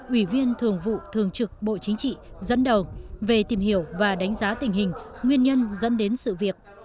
ủy viên thường vụ thường trực bộ chính trị dẫn đầu về tìm hiểu và đánh giá tình hình nguyên nhân dẫn đến sự việc